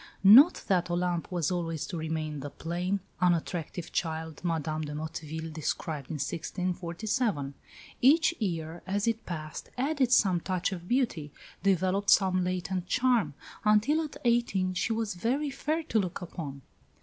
Not that Olympe was always to remain the plain, unattractive child Madame de Motteville describes in 1647. Each year, as it passed, added some touch of beauty, developed some latent charm, until at eighteen she was very fair to look upon.